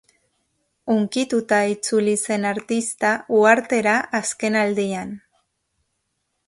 Hunkituta itzuli zen artista uhartera azken aldian.